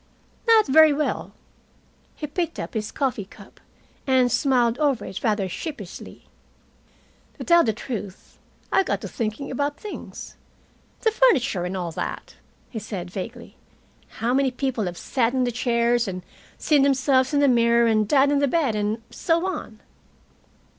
"Not very well." He picked up his coffee cup, and smiled over it rather sheepishly. "To tell the truth, I got to thinking about things the furniture and all that," he said vaguely. "How many people have sat in the chairs and seen themselves in the mirror and died in the bed, and so on."